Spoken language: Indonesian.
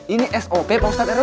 ini sop pak ustad rw